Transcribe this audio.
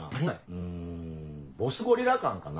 うんボスゴリラ感かな。